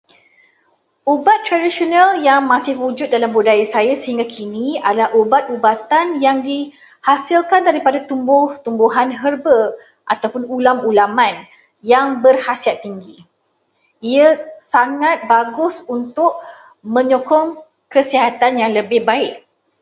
Ubat tradisional yang masih wujud dalam budaya saya sehingga kini adalah ubat-ubatan yang dihasilkan daripada tumbuh-tumbuhan herba ataupun ulam-ulaman yang berkhasiat tinggi. Ia sangat bagus untuk menyokong kesihatan yang lebih baik.